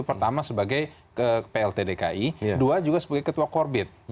pertama sebagai plt dki dua juga sebagai ketua korbit